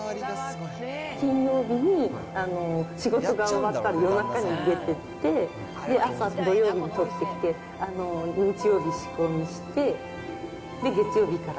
金曜日に仕事が終わった夜中に出てって、朝、土曜日に採ってきて、日曜日仕込みして、で、月曜日から。